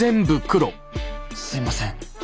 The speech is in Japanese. すみません。